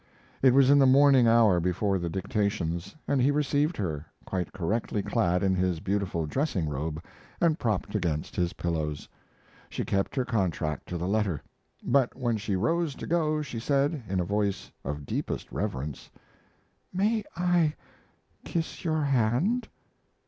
It was in the morning hour before the dictations, and he received her, quite correctly clad in his beautiful dressing robe and propped against his pillows. She kept her contract to the letter; but when she rose to go she said, in a voice of deepest reverence: "May I kiss your hand?"